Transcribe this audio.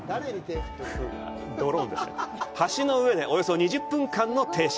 橋の上で、およそ２０分間停車。